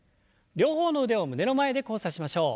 両方の腕を胸の前で交差しましょう。